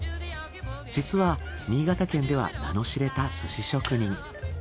実は新潟県では名の知れた寿司職人。